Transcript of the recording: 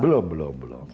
belum belum belum